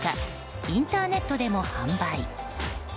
インターネットでも販売。